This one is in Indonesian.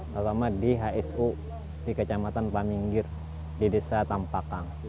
terutama di hsu di kecamatan paninggir di desa tampakang